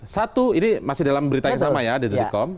satu ini masih dalam berita yang sama ya di detikom